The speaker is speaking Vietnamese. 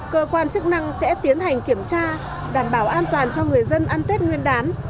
cơ quan chức năng sẽ tiến hành kiểm tra đảm bảo an toàn cho người dân ăn tết nguyên đán